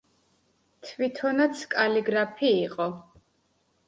თვითონაც კალიგრაფი იყო.